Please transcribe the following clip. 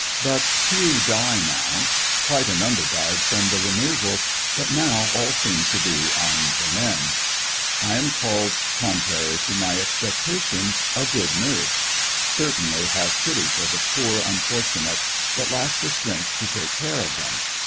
But few die now; quite a number died from the removal, but now all seem to be on the mend. I am called, contrary to my expectations, a good murse; certainly have pity for the poor unfor tunates, but lack the strength to take care of them.